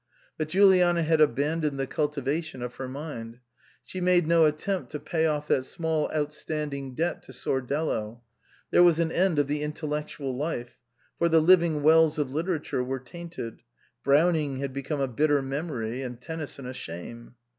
But Juliana had abandoned the cultivation of her mind. She made no attempt to pay off that small outstanding debt to Sordello. There was an end of the intellectual life ; for the living wells of literature were tainted ; Brown ing had become a bitter memory and Tennyson a shame.